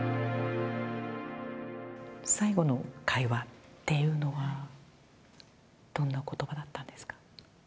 最後の会話っていうのは、どんなことばだったんですか。